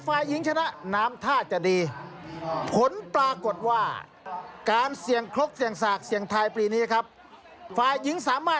อันนี้ครับที่บ้านเกิ้งนะครับ